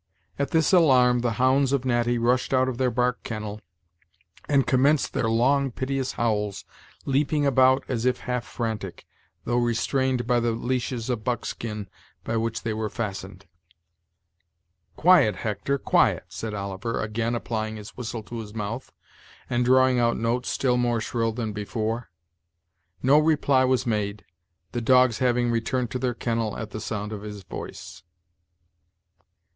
At this alarm, the hounds of Natty rushed out of their bark kennel, and commenced their long, piteous howls, leaping about as if half frantic, though restrained by the leashes of buckskin by which they were fastened. "Quiet, Hector, quiet," said Oliver, again applying his whistle to his mouth, and drawing out notes still more shrill than before. No reply was made, the dogs having returned to their kennel at the sound of his voice.